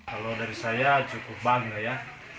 kalau dari saya cukup bangga ya